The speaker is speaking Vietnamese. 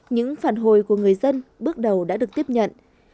những phản hồi của người dân bước đầu đã được tiếp nhận